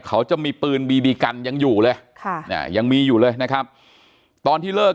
เขาจะมีปืนบีบีกันยังอยู่เลยค่ะยังมีอยู่เลยนะครับตอนที่เลิก